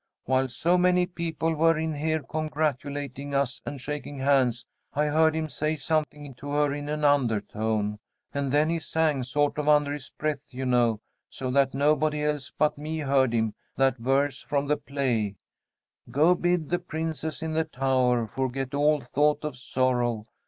While so many people were in here congratulating us and shaking hands, I heard him say something to her in an undertone, and then he sang sort of under his breath, you know, so that nobody else but me heard him, that verse from the play: "'Go bid the Princess in the tower Forget all thought of sorrow.